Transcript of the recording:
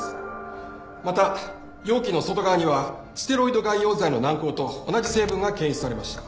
また容器の外側にはステロイド外用剤の軟膏と同じ成分が検出されました。